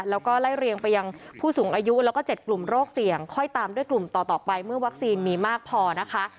แล้วก็ไล่เรียงไปยังผู้สูงอายุแล้วก็๗กลุ่มโรคเสี่ยงค่อยตามด้วยกลุ่มต่อไปเมื่อวัคซีนมีมากพอนะคะ